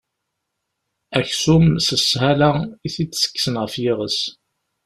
Aksum, s sshala i t-id-tekksen ɣef yiɣes.